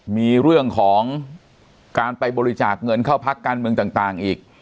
มีเรื่องของการไปบริจาคเงินเข้าพักการเมืองต่างอีก